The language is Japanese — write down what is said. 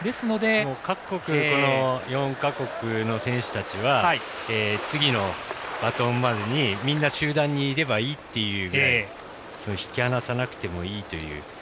各国、４か国の選手たちは次のバトンまでにみんな集団にいればいいという引き離さなくてもいいという。